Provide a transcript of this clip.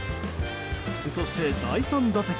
そして第３打席。